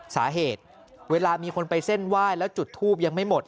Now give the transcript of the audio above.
สาเหตุเวลามีคนไปเส้นไหว้แล้วจุดทูปยังไม่หมด